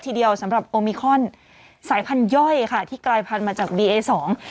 ทีเดียวสำหรับโอมิคอนสายพันธย่อยค่ะที่กลายพันธุ์มาจากบีเอสอง